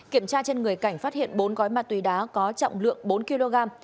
kiểm tra trên người cảnh phát hiện bốn gói ma túy đá có trọng lượng bốn kg